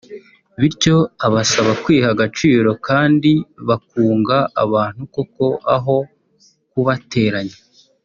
bityo abasaba kwiha agaciro kandi bakunga abantu koko aho kubateranya